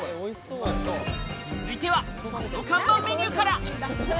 続いては、この看板メニューから。